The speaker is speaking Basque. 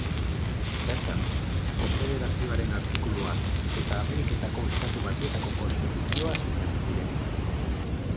Bertan, Konfederazioaren Artikuluak eta Ameriketako Estatu Batuetako Konstituzioa sinatu ziren.